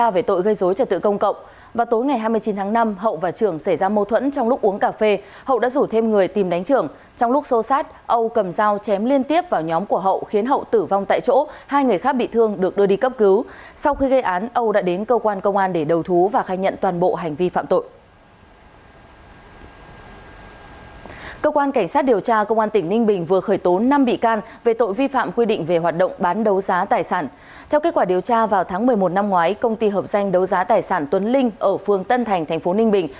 vào tháng một mươi một năm ngoái công ty hợp danh đấu giá tài sản tuấn linh ở phương tân thành tp ninh bình